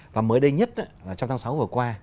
và mới đây nhất trong tháng sáu vừa qua